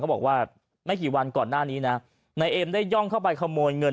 บอกว่าไม่กี่วันก่อนหน้านี้นะนายเอมได้ย่องเข้าไปขโมยเงิน